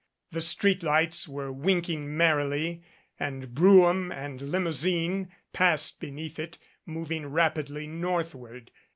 The street lights were winking merrily and brougham and limousine passed be neath it, moving rapidly northward.